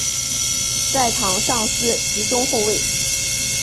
在场上司职中后卫。